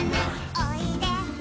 おいで。